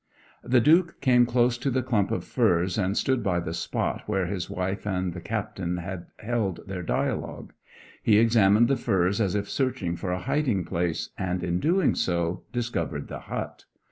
The Duke came close to the clump of furze and stood by the spot where his wife and the Captain had held their dialogue; he examined the furze as if searching for a hiding place, and in doing so discovered the hut.